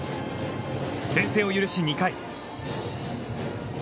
先制を許し、２回。